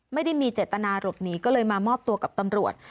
ไม่ได้มีเจตนาหลบหนีก็เลยมามอบตัวกับตำรวจ